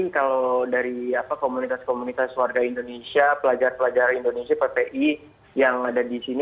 kalau dari komunitas komunitas warga indonesia pelajar pelajar indonesia ppi yang ada di sini